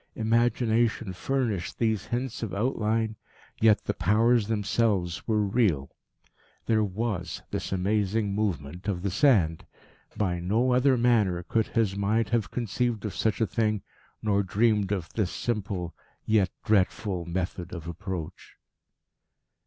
Imagination furnished these hints of outline, yet the Powers themselves were real. There was this amazing movement of the sand. By no other manner could his mind have conceived of such a thing, nor dreamed of this simple, yet dreadful method of approach.